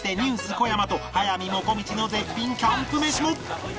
小山と速水もこみちの絶品キャンプ飯も！